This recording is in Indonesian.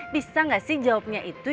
bisa nggak sih jawabnya itu